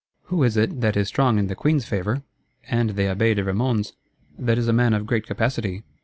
Who is it that is strong in the Queen's favour, and the Abbé de Vermond's? That is a man of great capacity?